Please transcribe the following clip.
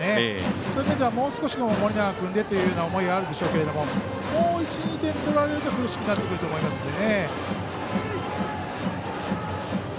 そういう中ではもう少し盛永君でという思いがあるでしょうけれどももう１２点取られると苦しくなってくると思うので。